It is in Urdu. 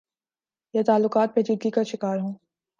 یا تعلقات پیچیدگی کا شکار ہوں۔۔